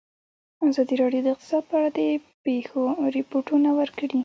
ازادي راډیو د اقتصاد په اړه د پېښو رپوټونه ورکړي.